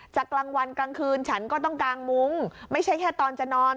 กลางวันกลางคืนฉันก็ต้องกางมุ้งไม่ใช่แค่ตอนจะนอน